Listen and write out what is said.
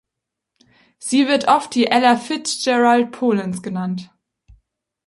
Sie wird oft die Ella Fitzgerald Polens genannt.